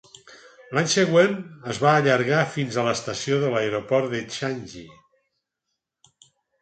L'any següent es va allargar fins l'estació de l'aeroport de Changi.